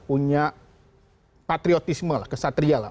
punya patriotisme lah kesatria lah